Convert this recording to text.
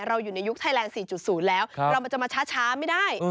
เราอยู่ในยุคไทยแลนด์๔๐แล้วเรามันจะมาช้าไม่ได้